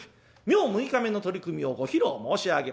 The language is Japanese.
明６日目の取組をご披露申し上げます。